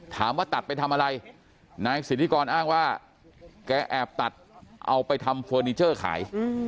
ถามว่าตัดไปทำอะไรนายสิทธิกรอ้างว่าแกแอบตัดเอาไปทำเฟอร์นิเจอร์ขาย